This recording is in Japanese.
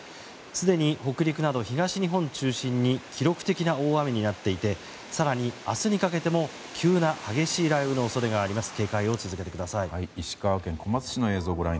すでに北陸など東日本中心に記録的な大雨になっていて更に明日にかけても急な激しい雷雨の恐れがあります。